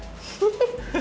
フフフ。